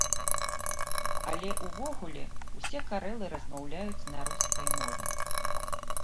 Але ўвогуле, усе карэлы размаўляюць на рускай мове.